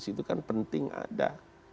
itu kan penting ada